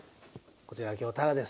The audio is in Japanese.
こちら今日たらです。